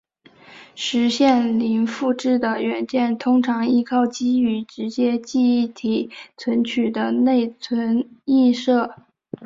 实现零复制的软件通常依靠基于直接记忆体存取的内存映射。